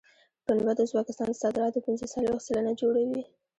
پنبه د ازبکستان د صادراتو پنځه څلوېښت سلنه جوړوي.